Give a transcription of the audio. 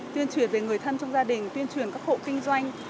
tuyên truyền về người thân trong gia đình tuyên truyền các hộ kinh doanh